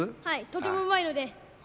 とてもうまいので。